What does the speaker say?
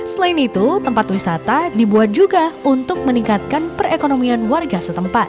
selain itu tempat wisata dibuat juga untuk meningkatkan perekonomian warga setempat